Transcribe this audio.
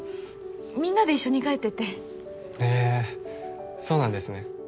みんなで一緒に帰っててへえそうなんですね